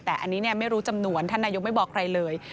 แต่อันนี้ไม่รู้จำนวนท่านนายกไม่บอกใครเลย